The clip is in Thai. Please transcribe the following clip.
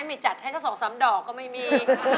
ไม่จัดให้เจ้าสองซ้ำดอกก็ไม่มี